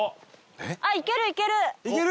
あっ行ける行ける！